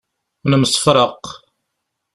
Nemsefraq.